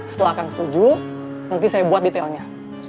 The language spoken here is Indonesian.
setelah kang setuju nanti saya buat detailnya